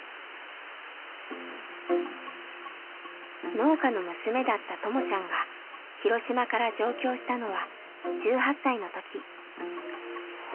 農家の娘だったともちゃんが広島から上京したのは１８歳の時。